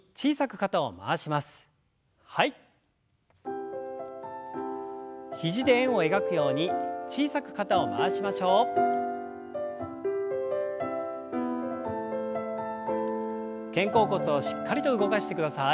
肩甲骨をしっかりと動かしてください。